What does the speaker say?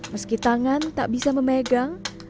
meski tangan tak bisa memegang